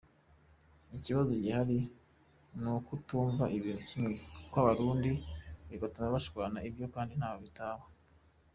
ikibazo gihari nukutumva ibintu kimwe kwabarundi bigatuma bashwana, ibyo kandi ntaho bitaba.